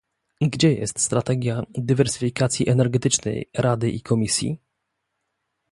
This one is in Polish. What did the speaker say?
Gdzie jest strategia dywersyfikacji energetycznej Rady i Komisji?